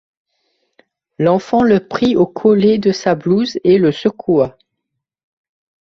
L’enfant le prit au collet de sa blouse et le secoua.